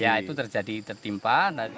ya itu terjadi tertimpa